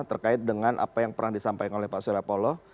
terkait dengan apa yang pernah disampaikan oleh pak surya paloh